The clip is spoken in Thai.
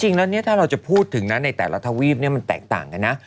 จริงแล้วเนี่ยถ้าเราจะพูดถึงนะในแต่ละทวีปมันแตกต่างกันนะ